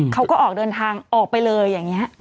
เขาก็ออกเดินทางออกไปเลยอย่างนี้